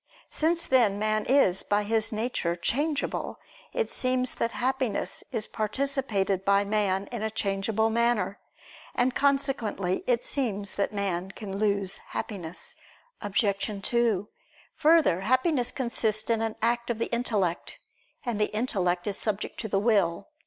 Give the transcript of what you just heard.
Since then man is, by his nature, changeable, it seems that Happiness is participated by man in a changeable manner. And consequently it seems that man can lose Happiness. Obj. 2: Further, Happiness consists in an act of the intellect; and the intellect is subject to the will.